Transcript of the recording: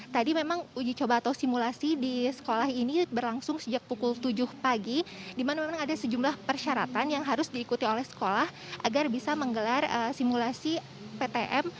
tadi memang uji coba atau simulasi di sekolah ini berlangsung sejak pukul tujuh pagi di mana memang ada sejumlah persyaratan yang harus diikuti oleh sekolah agar bisa menggelar simulasi ptm